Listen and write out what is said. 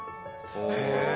へえ。